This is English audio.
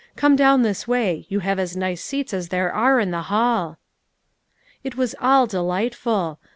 Come down this way ; you have as nice seats as there are in the hall." It was all delightful.